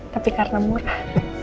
tapi karena murah